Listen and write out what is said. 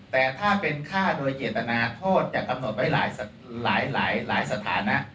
แต่ถ้าเป็นฆ่าโดยเจตนาโทษจะกำหนดไว้หลายสถานะ